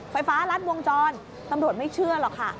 ไฟฟ้ารัดวงจรตำรวจไม่เชื่อหรอกค่ะ